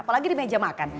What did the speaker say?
apalagi di meja makan